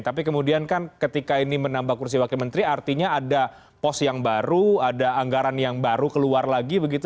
tapi kemudian kan ketika ini menambah kursi wakil menteri artinya ada pos yang baru ada anggaran yang baru keluar lagi begitu